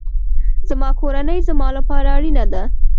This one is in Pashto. زما کورنۍ زما لپاره اړینه ده